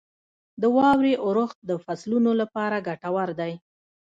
• د واورې اورښت د فصلونو لپاره ګټور دی.